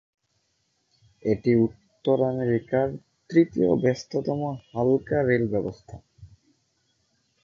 এটি উত্তর আমেরিকার তৃতীয় ব্যস্ততম হালকা-রেল ব্যবস্থা।